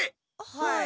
はい。